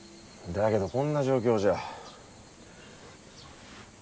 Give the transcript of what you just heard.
だけどこんな状況じゃ。